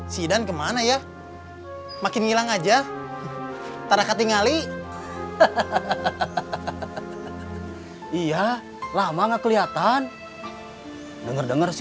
sidan kemana ya makin hilang aja tarakati ngali hahaha iya lama nggak kelihatan denger denger si